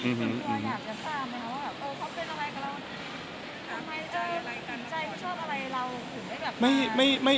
ทำไมจะสนใจไม่ชอบอะไรเราถึงได้กลับมา